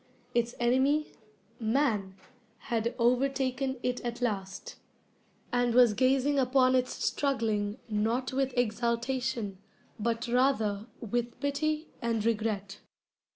Its enemy, man, had overtaken it at last, and was gazing upon its struggling not with exultation, but rather with pity and regret.